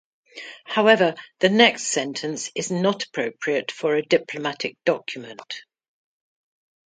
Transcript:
However, the next sentence is not appropriate for a diplomatic document.